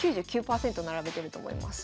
９９％並べてると思います。